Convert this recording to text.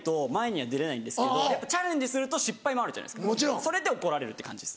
それで怒られるって感じです。